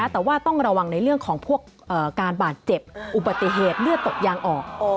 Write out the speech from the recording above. แต่ว่าต้องระวังในเรื่องของพวกการบาดเจ็บอุบัติเหตุเลือดตกยางออก